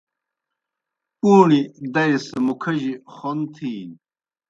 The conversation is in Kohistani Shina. پُوݨیْ دئی سہ مُکِھجیْ خوْن تِھینیْ۔